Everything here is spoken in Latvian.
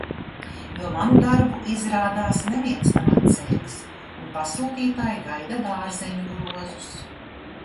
Jo manu darbu, izrādās, neviens nav atcēlis, un pasūtītāji gaida dārzeņu grozus.